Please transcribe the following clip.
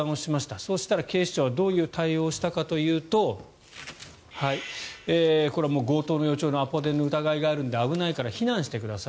そしたら、警視庁はどういう対応をしたかというとこれは強盗の予兆のアポ電の疑いがあるので危ないから避難してください